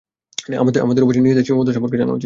আমাদের অবশ্যই নিজের সীমাবদ্ধতা জানা উচিত।